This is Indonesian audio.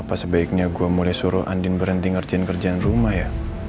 apa sebaiknya gue mulai suruh andin berhenti ngerjain kerjaan rumah ya